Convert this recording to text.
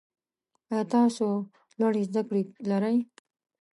آیا تاسو لوړي زده کړي لرئ؟